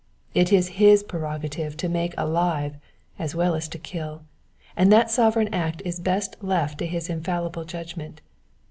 It is his prerogative to make alive as well as to kill, and that sovereign act is best left to his infallible judgment.